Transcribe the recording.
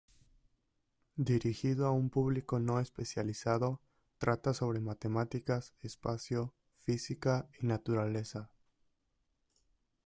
Dirigido a un público no especializado, trata sobre matemáticas, espacio, física y naturaleza.